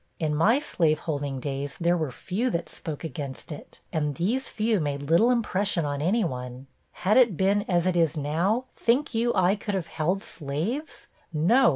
In my slaveholding days, there were few that spoke against it, and these few made little impression on any one. Had it been as it is now, think you I could have held slaves? No!